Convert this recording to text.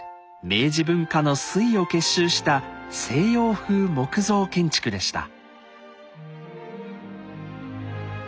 明治文化の粋を結集した西洋風木造建築でした。